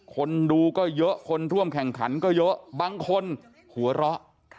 คนดูก็เยอะคนร่วมแข่งขันก็เยอะบางคนหัวเราะ